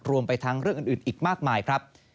รวมไปทั้งเรื่องอื่นอีกมากมายครับ